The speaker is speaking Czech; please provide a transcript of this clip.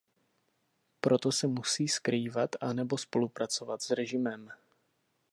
Proto se musí skrývat a nebo spolupracovat s režimem.